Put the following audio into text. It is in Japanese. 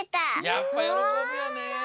やっぱよろこぶよね。